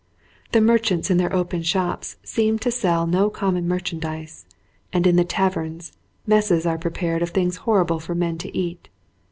The mer chants in their open shops seem to sell no com mon merchandise and in the taverns messes are prepared of things horrible for men to eat.